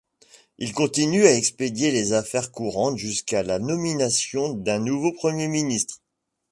Il continue à expédier les affaires courantes jusqu'à la nomination d'un nouveau Premier ministre.